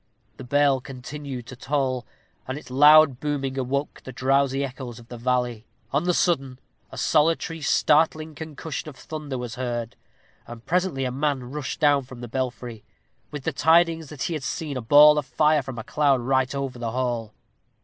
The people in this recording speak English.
The bell continued to toll, and its loud booming awoke the drowsy echoes of the valley. On the sudden, a solitary, startling concussion of thunder was heard; and presently a man rushed down from the belfry, with the tidings that he had seen a ball of fire fall from a cloud right over the hall.